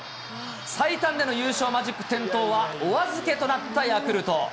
最短での優勝マジック点灯はお預けとなったヤクルト。